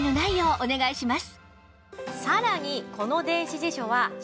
お願いします。